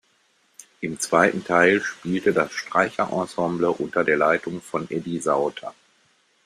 Im zweiten Teil spielte das Streicherensemble unter der Leitung von Eddie Sauter.